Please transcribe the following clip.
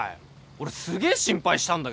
俺すげえ心配したんだけど。